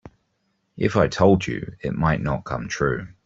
If I told you it might not come true.